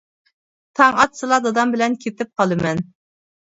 -تاڭ ئاتسىلا دادام بىلەن كېتىپ قالىمەن.